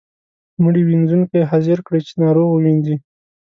مړي وينځونکی حاضر کړئ چې ناروغ ووینځي.